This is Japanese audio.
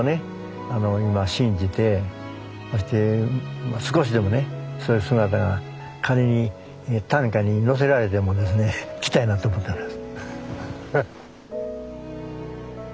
今信じてそして少しでもねそういう姿が仮に担架に乗せられてもですね来たいなと思ってます。